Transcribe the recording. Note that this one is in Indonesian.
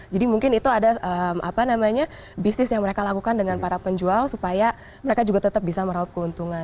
jadi mungkin itu ada apa namanya bisnis yang mereka lakukan dengan para penjual supaya mereka juga tetap bisa merauh keuntungan